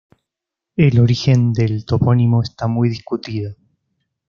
El origen del topónimo está muy discutido.